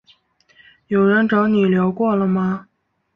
有人找你聊过了吗？